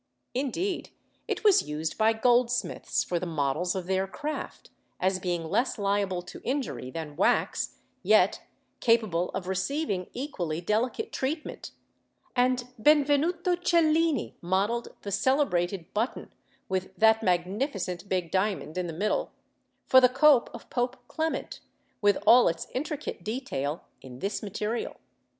Indeed, it was used by goldsmiths for the models for their craft, as being less liable to injury than wax, yet capable of receiving equally delicate treatment; and Benvenuto Cellini modelled the celebrated "button," with "that magnificent big diamond" in the middle, for the cope of Pope Clement, with all its intricate detail, in this material.